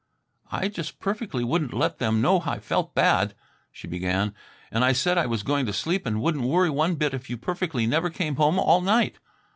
"I just perfectly wouldn't let them know I felt bad," she began. "I said I was going to sleep and wouldn't worry one bit if you perfectly never came home all night.